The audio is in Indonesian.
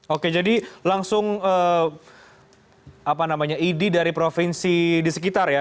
oke jadi langsung idi dari provinsi di sekitar ya